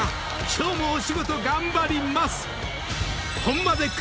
今日もお仕事頑張ります！］